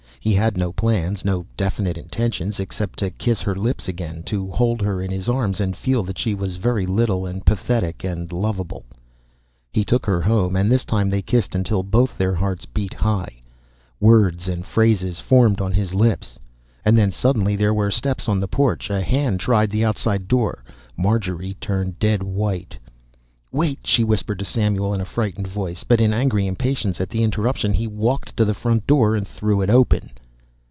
He had no plans, no definite intentions, except to kiss her lips again, to hold her in his arms and feel that she was very little and pathetic and lovable. ... He took her home, and this time they kissed until both their hearts beat high words and phrases formed on his lips. And then suddenly there were steps on the porch a hand tried the outside door. Marjorie turned dead white. "Wait!" she whispered to Samuel, in a frightened voice, but in angry impatience at the interruption he walked to the front door and threw it open.